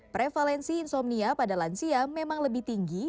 prevalensi insomnia pada lansia memang lebih tinggi